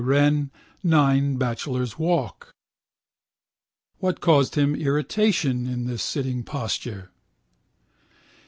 Wren, 9 Bachelor's Walk. What caused him irritation in his sitting posture?